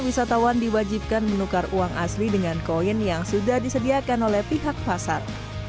wisatawan diwajibkan menukar uang asli dengan koin yang sudah disediakan oleh pihak pasar